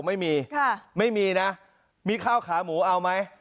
ไม่มีค่ะไม่มีนะมีข้าวขาหมูเอาไหม